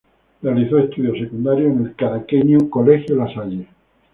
Realizó estudios secundarios en el caraqueño Colegio La Salle.